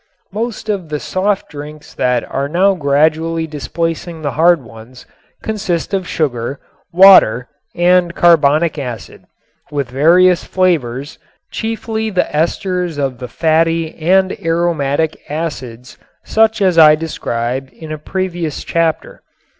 Most of the "soft drinks" that are now gradually displacing the hard ones consist of sugar, water and carbonic acid, with various flavors, chiefly the esters of the fatty and aromatic acids, such as I described in a previous chapter.